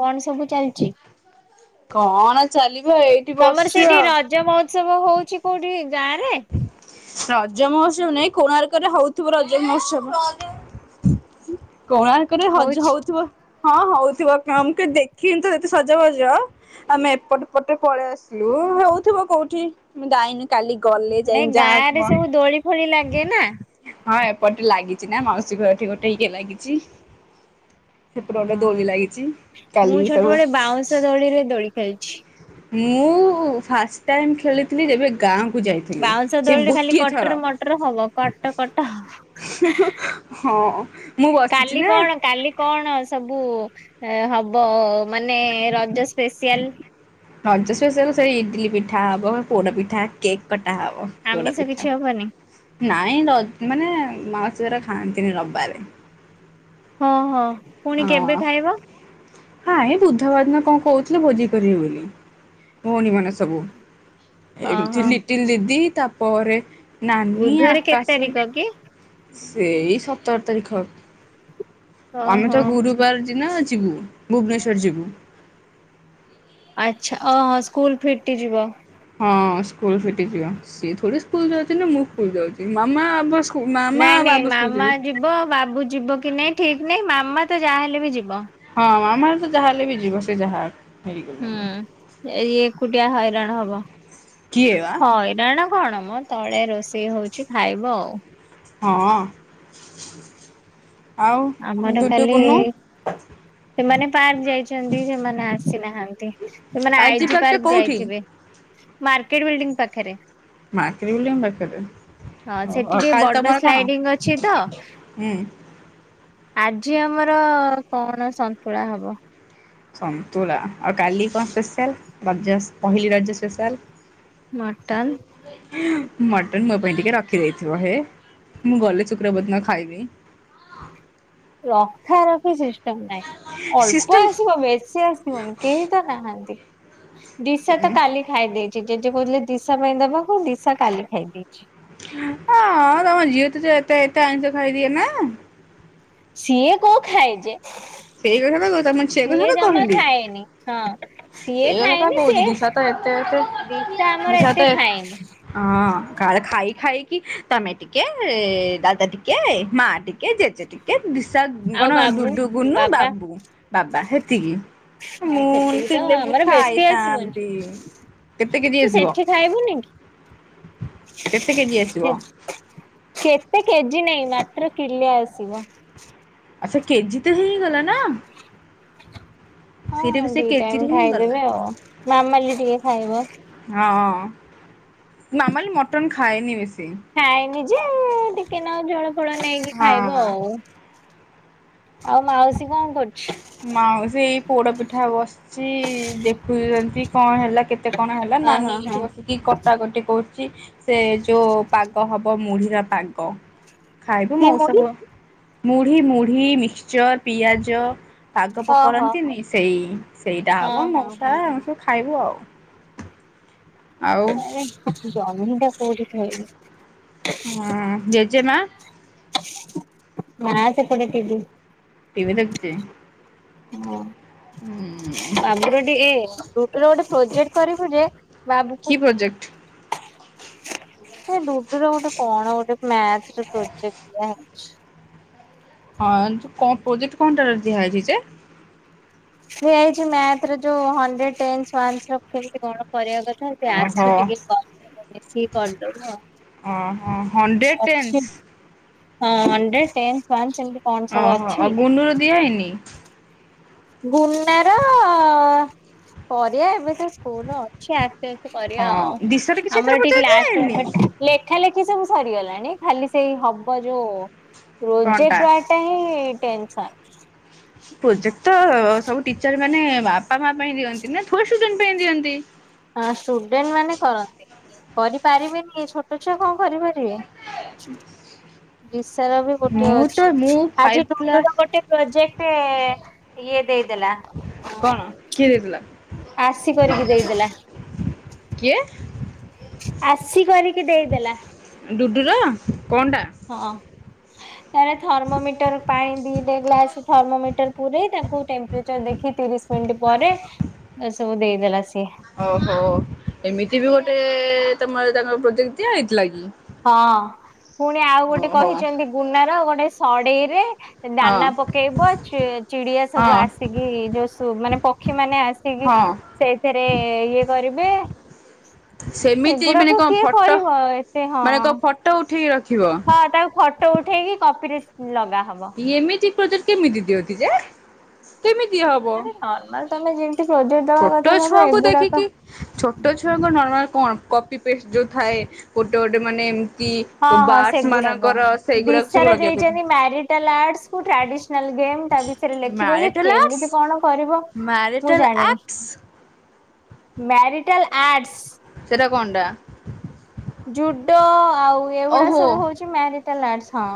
କଣ ସବୁ ଚାଲିଛି। ଚାଲି। ମୁବା ଏଇଠି ବସିଛି ଆଉ। ଏ ସବୁ ହଉଛି କୋଉଠି ଗାଁ ରେ। ରଜ ମହୋତ୍ସବ ନାଇଁ କୋଣାର୍କରେ ହଉଥିବ ରଜ ମହୋତ୍ସବ। କୋଣାର୍କରେ ରଜ ହଉଛି। ହଉଥିବ। ହଁ ହଉଥିବ କଣ ମୁଁ ଦେଖିନି ତ ଏତେ ସଜବଜ ଆମେ ଏପଟ ପଟ ପଳେଇ ଆସିଲୁ ହଉଥିବ କୋଉଠି ମୁଁ ଯାଇନି କାଲି ଗଲେ ଯାଇ ନାଇ ଯାହା ଗାଁ ରେ ସବୁ ଦୋଳି ଫୋଳି ଲାଗେ ନା ପଟେ ଲାଗିଛି ନା ମାଉସୀ ଘଠି ଗୋଟେକେ ଲାଗିଛି। ସେପଟେ ଗୋଟେ ହଁ ଦୋଳି ଲାଗିଛି କାଲି ମୁଁ ଛୋଟ ସବୁ ବଟ ବାଉଁଶ ଦୋଳିରେ ଦୋଳି ଖେଳିଛି [inaudible] ମୁଁ ଉ ଫାର୍ଷ୍ଟ ଟାଇମ୍ ଖେଲିଥଲି ଯେବେ ଗାଁ କ୍ ବାଉଁଶ ଦୋଳିରେ ଖାଲି କଟର ମଟର ହବ କଟ କଟ, ହଁ ମୁଁ ବସିଛି କାଲି ନା କଣ କାଲି କଣ ସବୁ ସବୁ ହବ ମାନେ ରଜ ସ୍ପେସିଆଲ୍ ହଁ ଜ୍ ସେ ସେ ଇଟିଲି ପିଠା ହବ୍ ପୋଡ଼ ପିଠା ଆମିଷ କିଛି ହବନି? ମାଉସୀ ଘର ଖାନ୍ତିନି ରବାରେ ହଁ ହଁ। ପୁଣି କେବେ ଖାଇବ। ହଁ ଏ ବୁଧବାର ଦିନ କଣ କହୁଥିଲେ ଭୋଜି କରିବେ ବୋଲି ଭଉଣୀ ମାନେ ସବୁ। ଏମିତି ଓହୋ ଲିଟିଲ୍ ଦିଦି ତାପରେ ନାନୀ ବୁଧବାର କେତ୍ ଆକାଶ ତାରିକ୍ କି? ସେଇ ସତର ତାରିଖ। ଆମେ ଓହୋ ତ ଗୁରୁବାର ଦିନ ଅଛ ବୁ ଭୁବନେଶ୍ୱର ଯିବୁ। ଆଚ୍ଛା ଅ ହଁ ସ୍କୁଲ ଫିଟି ଯିବ। ହଁ ସ୍କୁଲ ଫିଟିଯିବ ସିଏ ଥୋଡି ସ୍କୁଲ ଯାଉଛି ନା ମୁଁ ସ୍କୁଲ ଯାଉଛି ମାମା ମାମା ନାଇଁ ନାଇଁ ବାବା ସ୍କୁଲ ମାମା ଯିବେ। ଯିବ ବାବୁ ଯିବ କି ନାଇଁ ଠିକ ନାଇଁ ମାମା ତ ଯାହାହେଲେ ବି ଯିବ। ହଁ ଆମର ତ ଯାହା ହେଲେ ବି ଯିବ ସେ ଯାହା ହଉ। ହୁଁ ହେଇ ଏ ଏକୁଟିଆ ହଇରାଣ ହବ। କିଏ ବା? ହଁ ଏଡାଣ କଣ [unintelligible] ହଁ ତଳେ ରୋଷେଇ ହଉଛି ଖାଇବ। ହଁ ଆଉ ଆମର ଡୁଡୁ କାଲି କୁନୁ ସେମାନେ ପାର୍କ ଯାଇଛନ୍ତି ସେମାନେ ନା ଆସି ନାହାନ୍ତି। ସେମାନେ ଆଇଜି ପାର୍କ ଯାଇଥିବେ। ମାର୍କେଟ ବିଲ୍ଡିଂ ପାଖରେ, ମାର୍କେଟବିଲିୟମ ପାଖରେ। ହଁ ସେଠି ଓହୋ ଟିକେ କାଲି ବଡ଼ ତମର କଣ? ସ୍ଲାଇଡିଙ୍ଗ ଅଛି ତ ହୁଁ ଆଜି ଆମର କଣ ସନ୍ତୁଳା ହବ। ସନ୍ତୁଳା, ଆଉ କାଲି କଣ ସ୍ପେସିଆଲ୍ ରଜ ପହିଲି ରଜ ସ୍ପେସିଆଲ୍। ମଟନ୍। ମଟନ ମୋ ପାଇଁ ଟିକେ ରଖିଦେଇଥିବ ହେ ମୁଁ ଗଲେ ଶୁକ୍ରବାର ଦିନ ଖାଇବି। ରଖା ରଖି ସିଷ୍ଟମ ନାହିଁ। ଅଳ୍ପ ସିଷ୍ଟମ ଆସିବ ବେଶୀ ଆସିବନି କେହି ତ ନାହାନ୍ତି। ଦିସା ତ ହଁ କାଲି ଖାଇ ଦେଇଛି। ଜେଜେ କହୁିଲଥିଲେ ଦିଶା ପାଇଁ ଦବାକୁ ଦିଶା କାଲି ଖାଇଦେଇଛି। ହଁ ତମ ଝିଅ ତ ତ ଏତେ ଏତେ ଆଇଁଷ ଖାଇଦିଏ ନା ସିଏ କୋଉ ଖାଏ ଯେ ସେଇ କଥା ବା ସେ କଥା ସିଏ ତ ଜମା କହିଲି ଖାଏନି ହଁ। ସେ ସିଏ କଥା ତ ଖାଏନି କହୁଛି ସିଏ ଦିଶା ତ ଏତେ ଏତେ ଦିଶା ଆମର ଦିଶା ଏତେ ତ ଖାଏନି ହଁ କାଳେ ଖାଇ ଖାଇକି ତମେ ଟିକେ, ଦାଦା ଟିକେ, ମା ଟିକେ, ଜେଜେ ଟିକେ ଦିସା ଆଉ କଣ ବାବୁ ଡୁଡୁ, ଗୁନୁ, ବାବା ବାବୁ, ବାବା ହେତିକି ହଁ ମୁଁ ସେତିକି ତ ଥିଲେ ମୁଁ ଆମର ବେଶୀ ଆସିବନି ଖାଇଥାନ୍ତି। କେତେ କେଜି ତୁ ଆସିବ ସେଠି ଖାଇବୁନି କି? କେତେ କେଜି ଆସିବ? କେତେ କେଜି ନାାଇଁ ମାତ୍ର କିଲେ ଆସିବ। ସେ କେଜି ତ ହେଇଗଲା ନା। ସେଇଟା ହଁ ବି ସେ ଦି କେଜିରେ ଟାଇମ ହିଁ ଗଲା ଖାଇଦେବେ ଆଉ ମାମାଲି ଟିକେ ଖାଇବ ହଁ। ମାମାଲି ମଟନ ଖାଏନି ବେଶୀ ଖାଏନି ଯେ ଟିକେ ନାକୁ ଜଳ ଫୋଳ ନେଇକି ଖାଇବ ହଁ। ଆଉ ଆଉ ମାଉସୀ କଣ କରୁଛି? ମାଉସୀ ଏଇ ପୋଡ ପିଠା ବସିଛି ଦେଖୁଛନ୍ତି କଣ ହେଲା କେତେ କଣ ହେଲା ଅ ହଁ ନାନୀ ହଁ। ଏଠି ବସିକି କଟା କଟି କରୁଛି। ସେ ଯୋଉ ପାଗ ହବ ମୁଢିର ପାଗ ଖାଇବୁ ସିଏ ମଉସମ ମୁଢି ମୁଢି ମୁଢି ମିକ୍ସଚର ପିଆଜ ପାଗ ଓହୋ କରନ୍ତିନି ସେଇ ସେଇଟା ହଁ ହବ ହଁ ମଉସା ହଁ ଆମେ ହଁ। ସବୁ ଖାଇବୁ ଆଉ। ଆଉ [inaudible] ଜହ୍ନିଟା ସେଇଠି [unintelligible] ହୁଁ ଜେଜେମା ମା ସେପଟେ ଥିବେ। ଟିଭିି ଦେଖିଚି। ହଁ। ଆମର ଟ ଏ ଗୋଟେ ପ୍ରୋଜେକ୍ଟ କରିବୁ ଯେ କି ପ୍ରୋଜେକ୍ଟ? ସେ ଡୁଡୁର ଗୋଟେ କଣ ଗୋଟେ ମ୍ୟାଥ ର ପ୍ରୋଜେକ୍ଟ [inaudible] ହଁ ଯେ କଣ ପ୍ରୋଜେକ୍ଟ କଣଟା ଦିଆହେଇଚି ଯେ ଦିଆହେଇଚି ମ୍ୟାଥର ଯୋଉ ହଣ୍ଡଡ୍ରେଡ ଟେନସ୍ ୱାନସ ର କେମିତି କଣ କରିବା ଦରକାର। ସେ ଓହୋ ଆସୁ ଟିକେ [unintelligible] ମିଶିକି କରିଦବ ଓହୋ ହଣ୍ଡ୍ରେଡ ଅଛି। ଟେନ୍ସ ହଁ ହଣ୍ଡ୍ରେଡ ଟେନ୍ସ ୱାନସ ଏମତି ଓହୋ ଗୁନୁ ର ଦିଆ ହେଇନି। ଗୁନାର କରିଆ ଏବେ ତ ସ୍କୁଲ ଅଛି ଆସେ। କରିଆ ହଁ ଆଉ ଦିଶାରେ କିଛି ଏଥିରେ ଆମର ପଚାରି ଟିକେ ଲାଷ୍ଟ ଦିଆହେଇନି? ମୋମେଣ୍ଟ ଲେଖା ଲେଖି ସବୁ ସରିଗଲାଣି ଖାଲି ସେଇ ହବ ଯୋଉ ପ୍ରୋଜେକଟ ୱାରକ୍ ଟା ହିଁ। ଟେନସନ। ପ୍ରୋଜେକ୍ଟ ତ ସବୁ ଟିଚର ମାନେ ବା ବାପା ମା ପାଇଁ ଦିଅନ୍ତି ନା ଥୋଡି ଷ୍ଟୁଡେନ ପାଇଁ ଦିଅନ୍ତି। ହଁ ଷ୍ଟୁଡେଣ୍ଟ ମାନେ କରନ୍ତିନି। କରିପାରିବେନି ଛୋଟ ଛୁଆ କଣ କରିପାରିବେ। ବିଷୟ ବି ଗୋଟେ ମୁଁ ତ ଅଛି ମୁଁ ଆଜି ଫାଇଭ୍ କ୍ଲାସ ବାବୁର ଗୋଟେ ପ୍ରୋଜେକ୍ଟ ରେ ଇଏ ଦେଇଦେଲା। କଣ କିଏ ଦେଇଥିଲା? ଆସି କରିକି ଦେଇଦେଲା। କିଏ? ଆସି କରିକି ଦେଇଦେଲା ଡୁଡୁର। ଫୋନ ଟା। ହଁ। ତାର ଥର୍ମୋମିଟର ପାଇଁ ଦିଟା ଗ୍ଲାସ ଥର୍ମୋମିଟର ପୁରେଇ ତାଙ୍କୁ ଟେମ୍ପରେଚର ଦେଖି ତିରିଶ ମିନିଟ ପରେ ସବୁ ଦେଇଦେଲା ସି ଓହୋ ଏମିତି ବି ଗୋଟେ ତମର ତାଙ୍କର ପ୍ରୋଜେକଟ ଦିଆହେଇଥିଲା କି? ହଁ ପୁଣି ଆଉ ଗୋଟେ ଓହୋ କହିଚନ୍ତି ଗୁନାର ଗୋଟେ ସ ଡେଇରେ। ହଁ ଦାନା ପକେଇବ ଚି ଚିଡିଆ ହଁ ସବୁ ଆସିକି ଯୋଉ ସବୁ ମାନେ ପକ୍ଷୀ ମାନେ ଆସିକି ହଁ ସେଇଥିରେ ଇଏ କରିବେ ସେମିତି ମାନେ ଏଗୁଡାକ କଣ କିଏ ଫଟୋ କରିବ ଏ ମାନେ କୋ ଫଟୋ ଉଠ ଠି ହଁ ତାକୁ ଫଟୋ ଉଠେଇକି କପିରେ ଲଗା ଏମିତି ପ୍ରୋଜେକ୍ଟ କେମିତୀ ଦିଅନ୍ତି ଯେ? କେମିତି ହବ ଆରେ ନର୍ମାଲ ତମେ ଯେମିତି ପ୍ରୋଜେକ୍ଟ ଦବା କଥା ଛୋଟ ଦବ ଛୁଆଙ୍କୁ ଏଗୁଡାକ ଦେଖିକି ଛୋଟ ଛୁଆଙ୍କୁ ନର୍ମାଲ କଣ କପି ପେଷ୍ଟ ଯେଉଁ ଥାଏ ଗୋଟେ ଗୋଟେ ମାନେ କି ହଁ ହଁ ବାର୍ ସେଗୁଡାକ। ମାନଙ୍କର ସେଇଗୁଡାକ ସବୁ ଲଗେଇବାକୁ। ଆଟସ କୁ ଟ୍ରାଣ୍ଡିସ୍ନାଲ କେମ ତା ବିଷୟରେ ଲେଖିବ ଯେ ମ୍ୟାରିଟାଲ ଆର୍ଟସ କେମିତି କଣ କରିବ ମୁଁ ମ୍ୟାରିଟାଲ ଜାଣିନି? ଆକ୍ଟସ ମ୍ୟାରିଟାଲ ଆଡସ୍ ଏ କଣ୍ଡା ଜୁଡୋ ଆଉ ଏଗୁଡା ଓହୋ ସବୁ ହଉଛି ମ୍ୟ ଟଲାର୍ ହଁ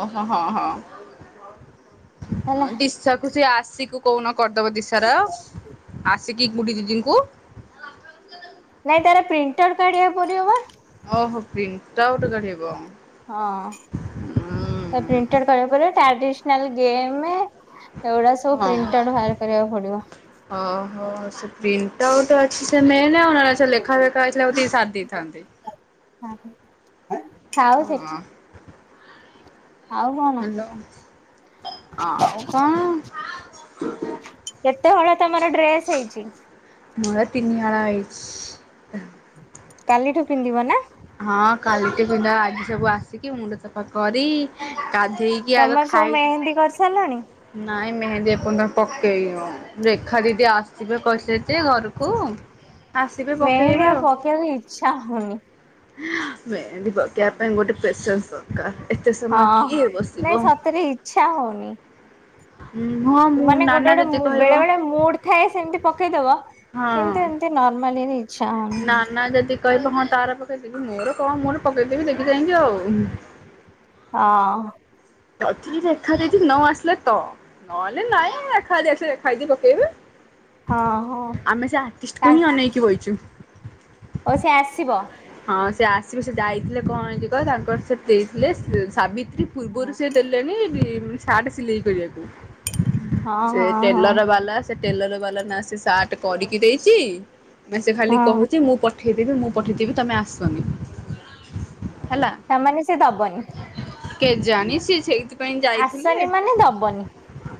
ଓହୋ ହଁ ହଁ। ହେଲା। ଦିଶକୁଛି ଆସ ଆସ କୁ କୋନ କରିଦବ ଦିଶାର ଆସିକି ଗୁଡ଼ି ଦିଦିଙ୍କୁ ନାଇଁ ତାର ପ୍ରିଣ୍ଟ ଆଉଟ୍ କାଢିବାକୁ ପଡିବ ବା ଓହୋ ପ୍ରିଣ୍ଟ ଆଉଟ୍ କାଢେଇବ ହଁ ପ୍ରିଣ୍ଟଆଟ କରିବା ପରେ ଟ୍ରାଡିସନାଲ ଗେମ ଏଗୁଡା ସବୁ ହଁ ପ୍ରିଣ୍ଟାଆଉଟ୍ ବାହାର୍ କରିବାକୁ ପଡିବ। ଓହୋ ସେ ପ୍ରିଣ୍ଟ ଆଉଟ୍ ଅଛି ସେମ କ ଲେଖା ଲେଖାତ ସାରିଦେଇଥାନ୍ତି ଥାଉ ସେଠି ହଁ ଆଉ କଣ ହ୍ୟାଲୋ ଆଉ କଣ କେତେ ବଳ ତମର ଡ୍ରେସ୍ ହେଇଛି? ମର ତିନିହଳ ହେଇଛି। କାଲିଠୁ ପିନ୍ଧିବ ନା ହଁ କାଲିଟି ପିନ୍ଧା ଆଜି ସବୁ ଆସିକି ମୁଣ୍ଡ ସଫା କରି ଗାଧେଇକି ଆଗ ତମର ସବୁ ଖାଇ ମେହେନ୍ଦୀ କରିସାରିଲଣି? ନାଇଁ ମେହେନ୍ଦୀ ଏ ପର୍ଯ୍ୟ ପକେଇ ଆ ରେଖା ଦିଦି ଆସିବେ କହିଥିଲେ ତି ଘରକୁ ଆସିବେ ମେହେନ୍ଦୀ ପକେଇବେ ଆଉ ପକେଇତେ ଇଚ୍ଛା ହେଉନି। ମେହେନ୍ଦୀ ପକେଇବା ପାଇଁ ଗୋଟେ ପେସେନ୍ସ ଦରକାର। ଏତେ ସମୟ ହଁ କିଏ ବସିବ। ନାଇଁ ସତରେ ଇଚ୍ଛା ହଉନି। ହଁ ମୁଁ ମାନେ ନାନା ଗୋଟେ ଯଦି ଗୋଟେ ବେଳେ କହିବ ବେଳେ ମୁଡ ଥାଏ ସେମିତି ପକେଇଦବ। କିନ୍ତୁ ଏମିତି ନର୍ମାଲି ହେଇଛି। ନା ନା ଯଦି କହିବ କଣ ତାର ପକେଇଦେବି ମୋର କଣ ମୋର ପକେଇଦେବି ଦେଖି ଯାଇକି ଆଉ ହଁ। ଅଛି ଦେଖା ଦେଖି ନ ଆସିଲେ ତ ନହଲେ ନାଇଁ ଖା [unintelligible] ପକେଇବେ। ହଁ ହଁ। ଆମେ ସେ ତା ଆର୍ଟିଷ୍ଟକୁ ହିଁ ଅନେଇକି ବଇଛୁ। ଓ ସେ ଆସିବ? ହଁ ସେ ସେ ଯାଇଥିଲେ କଣ ହେଇଛି କହିଲ ସେ ସେ [unintelligible] ସାବି ପୂର୍ବରୁ ହଁ ଦେଲେଣି ସାର୍ଟ ସିଲେଇ କରିବାକୁ। ସେ ହଁ ହଁ ଟେଲର ବାଲା ସେ ଟେଲର ବାଲା ନା ସେ ସାର୍ଟ କରିକି ଦେଇଛି। ମ ସେ ଖାଲି ହଁ କହୁଛି ମୁଁ ପଠେଇଦେବି ମୁଁ ପଠେଇଦେବି ତମେ ଆସନି। ହେଲା। ତାମାନେ ସେ ଦବନି। କେଜାଣି ସିଏ ସେଇଥିପାଇଁ ଯାଇଥିଲେ। ଆସନି ମାନେ ଦବନି।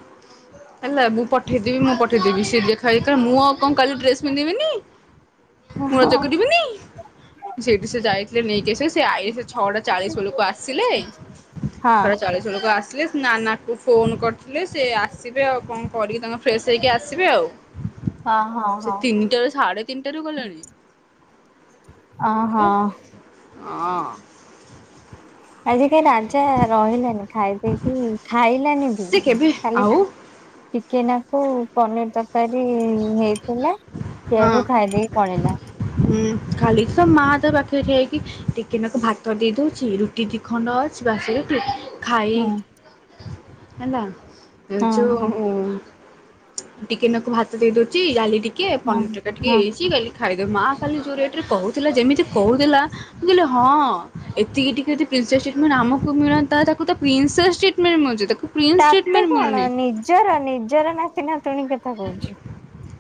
ହେଲା ମୁଁ ପଠେଇଦେବି ମୁଁ ପଠେଇଦବି ସେ ଦେଖା ମୁଁ ଆଉ କଣ କାଲି ଡ୍ରେସ ପିନ୍ଧିବିନି। ମୁଁ ରଜ କରିବିନି ସେଇଠି ସେ ଯାଇଛି ସେ ନେଇକି ଆସେସ ସେ [unintelligible] ଛଅଟା ଚାଳିଶ ବେଳକୁ ଆସିିଲେ ହଁ ଛଟା ଚାଳିଶ ବେଳକୁ ଆସିଲେ। ନା ନା କୋଉ ଫୋନ କରି ଥିଲେ ସେ ଆସିବେ ଆଉ କଣ? କରିକି ତାଙ୍କେ ଫ୍ରେଶ ହେଇକି ଆସିବେ ଆଉ। ହଁ ହଁ ସେ ତିନିଟାରୁ ସାଢେ ତିନିଟାରୁ ଗଲେଣି। ଅ ହେଲା ହଁ। ହଁ। ଆଜି କା ରାଜା ରହିଲାନି ଖାଇ ପିଇକି ଖାଇ ସେ କେବେ ଆଉ କେନାକୁ ପନିର ଦା ଆଜି ହେଇଥିଲା ସିଆକୁ ଖାଇଦେଇକି ପଳେଇଲା। ହଁ ହୁଁ ଖାଲି ତ ମା ତା ପାଖରେ ଠିଆ ହେଇକି ଟିକେ ନାକୁ ଭାତ ଦେଇଦଉଛି ରୁଟି ଦି ଖଣ୍ଡ ଅଛି ବାସ ଖାଇ ହଁ ହେଲା ହଁ ଯୋଉ ଟିକେ ନାକୁ ଭାତ ଦେଇ ଦଉଛି ଡାଲି ଟିକେ କିଏ ହଁ ପନିର ଟା ଟିକେ ହଁ ହେଇଚି ଖାଲି ଖାଇ ଦବୁ ମାଆ ଖାଲି ଯୋଉ ରେଟରେ କହୁଥିଲା ଯେମିତି କହୁଥିଲା ମୁଁ କହିଲି ହଁ ଏତିକି ଟିକେ ଯଦି ପ୍ରିନ୍ସେସ୍ ଟ୍ରିଟ୍ମେଣ୍ଟ ଆମକୁ ମିଳନ୍ତା ତାକୁ ତ ପ୍ରିନ୍ସେସ୍ ଟ୍ରୀଟମେଣ୍ଟ ମିଳୁଛି ତାକୁ ପ୍ରିନ୍ସ ତାତେ ଟ୍ରିଟମେଣ୍ଟ କଣ ମିଳୁନି ନିଜର ନିଜର ନା ଥିନା ନାତୁଣୀ କଥା କହୁଛି।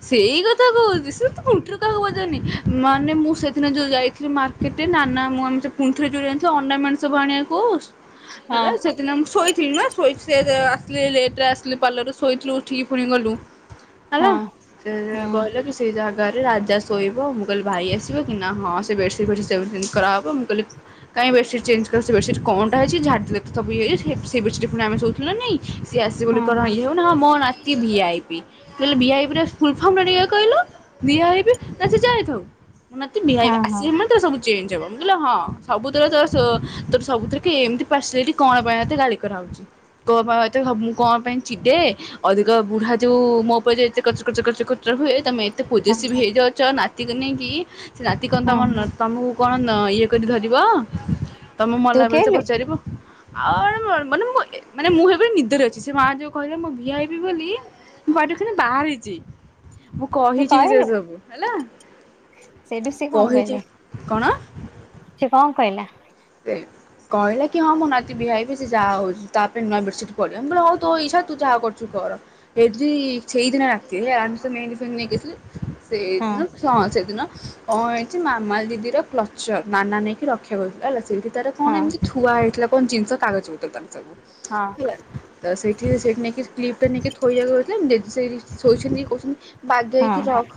ସେଇ କଥା କହୁଛି ସେ ତ ପୁଣ୍ଠିରେ କାହାକୁ ପଚାରୁନି ମାନେ ମୁଁ ସେ ଦିନ ଯଉଁ ଯାଇଥିଲି ମାର୍କେଟରେ ନାନା ମୁଁ ଆମେ ସେ ପୁଣି ଥରେ ଯୋଉ ଯାଇନଥିଲୁ ଅର୍ଣ୍ଣାମେଣ୍ଟ ସବୁ ଆଣିବାକୁ କହୁ ହଁ ହେଲା ସେଦିନ ମୁଁ ଶୋଇଥିଲି ନା ଶୋଇ ଆସିଲି ଲେଟ ରେ ଆସିଲି ପାର୍ଲରରେ ଶୋଇଥିଲୁ ଉଠିକି ପୁଣି ଗଲୁ ହେଲା ହଁ ସେ ହୁଁ କହିଲା କି ସେଇ ଯାହା ଘରେ ରାଜା ଶୋଇବ ମୁଁ କିହିଲୀ ଭାଇ ଆସିବ କି ନା ହଁ ସେ ବେଡସିଟ୍‌ ଫେଡ଼ସିଟ କରାବ ମୁଁ କିଲି କାଇହିଁ ବେଡସିଟ୍ ଚେଞ୍ଜ ସେ ବେସିଟ୍ କଣଟା ହେଇଛି ଝା ସବୁଇାଇ ସେ ବେଡସିଟ୍ ପୁଣି ଆେ ଶଉଥିଲୁ ନା ନାଇଁ ସି ଆସିବ ବୋଲି ହଁ କଣ ଇଏ ହବ ନା କଣ ଅତି ଭି-ଆଇ-ପି କହିଲେ ଭି-ଆ-ପି ର ଫୁଲ ଫର୍ମ ଟା ଟିକେ କହିଲୁ ଭି-ଆଇ-ପି ନା ସେ ଯାହା ହେଇ ଥାଉ ମତେ ଭି-ଆଇ-ପି ହଁ ମୋତେ ହଁ ଆସିନି ମାନେ ଚେଞ୍ଜ ହବ ମୁ କହିଲି ହଁ ସବୁଥିରେ ତୋ ସବୁଥିରେ ଏମିତି ପରସିଆଲିଟୀ କଣ ପାଇଁ ମତେ ଗାଳି କରାହଉଛି। କଣ ପାଇଁ ଏତେ ହବ ମୁଁ କଣ ପାଇଁ ଏତେ ଚିଡେ ଅଧିକ ବୁଢା ଯୋଉ ମୋ ଉପରେ ଯୋଉ ଏତେ କଚକଚ ହୁଏ ତମେ ଏତେ ହଁ ପୋଜେସିଭ ହେଇଯାଉଛ ନା କତିକି ନେଇକି ସେ ନାତି କଣ ତମ ହଁ ତମକୁ କଣ ଇଏ କରିକି ଧରିବ ତମେ ତୁ ମଲାବେଳେ ତ କହିଲୁ ପଚାରିବ ଆ ମାନେ ମାନେ ମୁଁ ଭାବିଲି ସେ ନିଦରେ ଅଛି। ସେ ମା ଯୋଉ କହିଲେ ମୁ ଭି-ଆଇ-ପି ହେବି ବୋଲି ମୁଁ ଘରେଥିଲି ବାହାରିଚି ମୁଁ ତୁ କହିଛି ବି ସେ କହିଲୁ ସବୁ ହେଲା କହିଛି କଣ [inaudible] ସେ କଣ କହିଲା? କହିଲା କି ହଁ ମୁଁ ନାତି ଭି-ଆଇ-ପି ସେ ଯାହା ହଉଛି ତା ପାଇଁ ନୂଆ ବେଡସିଟ୍ ପଡିବ। ମୁ କହିଲି ତୋ ଇଛା ତୁ ଯାହା କରୁଛୁ କର ସେଇଦିନ ରାତି ରେ ଆମେ ସବୁ ମେହେନ୍ଦି ପେହେନ୍ଦି ନେଇକି ଆସିଲୁ ହଁ ସେଇଦିନ ହଁ ସେଇଦିନ କଣ ହେଇଛି ମାମା ଦିଦିର କ୍ଲଚର ନାନା ନେଇକି ରଖିବ କହୁଥିଲା ହେଲା। ସେଇଠି ତାର କଣ ହଁ ଏମିତି ଥୁଆ ହେଇଥିଲା କଣ ଜିନିଷ କାଗଜ ପତ୍ର ତାର ହଁ ହେଲା ତ ସେଇଠି ସେଇଠି ନେଇକି କ୍ଲିପ ଟା ନେଇକି ଥୋଇବାକୁ ଯାଉଥିଲା ସେଇଠି ଶୋଇଛନ୍ତି କହୁଛନ୍ତି। ହଁ ବାଗେଇକି ରଖ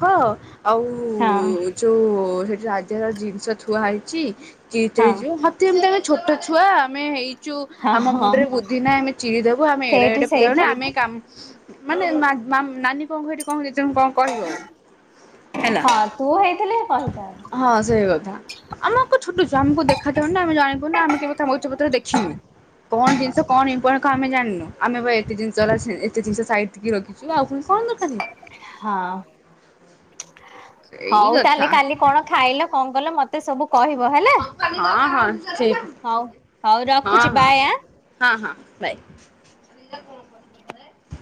ଆଉ ହଁ ଯୋଉ ରାଜା ର ଜିନିଷ ଥୁଆ ହେଇଛି। କିଏ କେତେଳେ ହଁ ଜ୍ ସତେ ଯେମିତି ଆମେ ଛୋଟ ଛୁଆ ଆମେ ହେଇ ଛୁ ହଁ ଆମ ହଁ ମୁଣ୍ଡରେ ବୁଦ୍ଧି ନାହିଁ ଆମେ ଚିରିଦବୁ ଆମେ ଏଡେ ସେଇଠୁ ଏଡେ ପିଲ ହେଲୁଣି ସେଇଠୁ ଆମେ କା [unintelligible] କଣ କହିବ ଆଉ ହେଲା ହଁ ତୁ ହେଇଥିଲେ କହିଥାନ୍ତୁ ହଁ ସେଇ କଥା। ଆମେ ଆଉ କଣ ଛୋଟ ଛୁଆ ଆମକୁ ଦେଖ୍ ଖାଯାଉନି। ଆମେ ଜାଣିନୁ ନା ଆମେ କେବେ କ ପତ୍ର ଦେଖିନୁ କଣ ଜିନିଷ କଣ ଇମ୍ପୋର୍ଟାଣ୍ଟ କଣ ଆମେ ଜାଣିନୁ ଆମେ ବା ଏତେ ଜିନିଷ ହେଲାଣି ଏତେ ଜିନିଷ ସାଇଡ ତିକି ରଖିଛୁ ଆଉ ପୁଣି କଣ ଦରକାରେ। ହଁ। ହଉ ତାହେଲେ କାଲି କଣ ଖାଇଲ କଣ କଲ ମତେ ସବୁ କହିବ ହେଲା ହଁ ହଁ ହଉ ହଁ ହଉ ରଖୁଛି ହଁ ବାଏ ଆଁ। ହ ହଁ ହଁ ବାଏ।